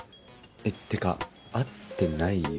えってか会ってないよね？